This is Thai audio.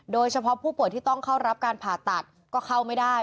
โดยเฉพาะผู้ป่วยที่ต้องเข้ารับการผ่าตัดก็เข้าไม่ได้